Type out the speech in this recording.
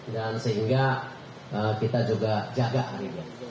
dan sehingga kita juga jaga harinya